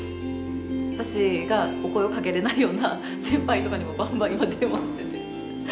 私がお声をかけれないような先輩とかにもバンバン今電話してて。